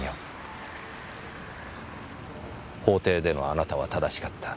法廷でのあなたは正しかった。